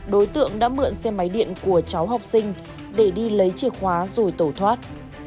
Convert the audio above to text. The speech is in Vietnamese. đối tượng đã mượn xe máy điện của cháu học sinh để đi lấy chìa khóa rồi tổ thoát